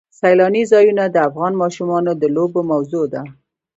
سیلانی ځایونه د افغان ماشومانو د لوبو موضوع ده.